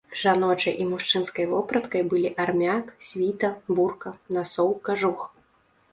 Жаночай і мужчынскай вопраткай былі армяк, світа, бурка, насоў, кажух.